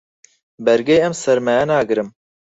بەرگەی ئەم سەرمایە ناگرم.